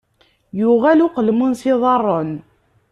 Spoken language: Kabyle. Yuɣal uqelmun s iḍaren.